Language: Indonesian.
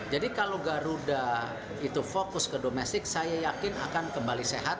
jadi kalau garuda itu fokus ke domestic saya yakin akan kembali sehat